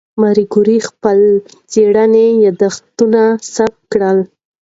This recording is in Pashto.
ماري کوري د خپلې څېړنې یادښتونه ثبت کړل.